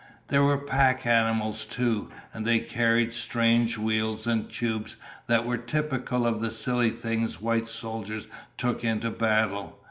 There were pack animals too, and they carried strange wheels and tubes that were typical of the silly things white soldiers took into battle.